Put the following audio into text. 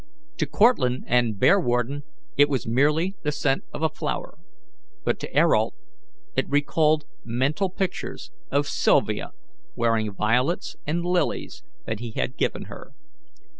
To Cortlandt and Bearwarden it was merely the scent of a flower, but to Ayrault it recalled mental pictures of Sylvia wearing violets and lilies that he had given her.